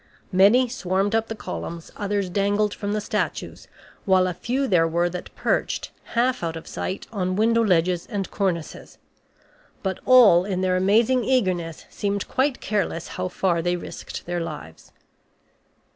Many swarmed up the columns, others dangled from the statues, while a few there were that perched, half out of sight, on window ledges and cornices; but all in their amazing eagerness seemed quite careless how far they risked their lives.